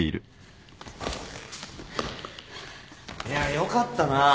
いやよかったな